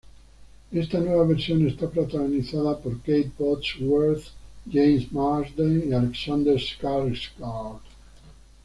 Esta nueva versión está protagonizada por Kate Bosworth, James Marsden y Alexander Skarsgård.